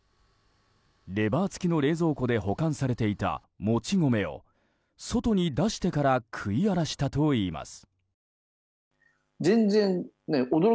レバー付きの冷蔵庫で保管されていたもち米を外に出してから食い荒らしたといいます。